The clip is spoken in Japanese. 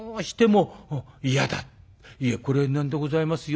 『いやこれは何でございますよ。